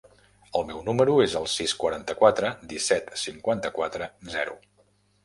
El meu número es el sis, quaranta-quatre, disset, cinquanta-quatre, zero.